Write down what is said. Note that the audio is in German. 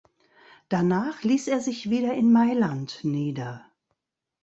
Danach ließ er sich wieder in Mailand nieder.